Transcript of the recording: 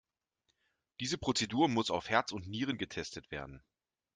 Diese Prozedur muss auf Herz und Nieren getestet werden.